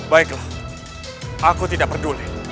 baiklah aku tidak peduli